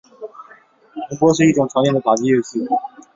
铜钹是一种常见的打击乐器。